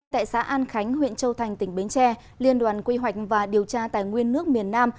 tại xã an khánh huyện châu thành tỉnh bến tre liên đoàn quy hoạch và điều tra tài nguyên nước miền nam